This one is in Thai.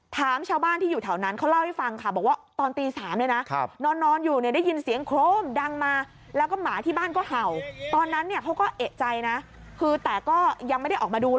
ถามชาวบ้านที่อยู่แถวนั้นเขาเล่าให้ฟังค่ะ